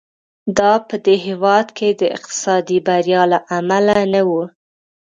دا په دې هېواد کې د اقتصادي بریا له امله نه و.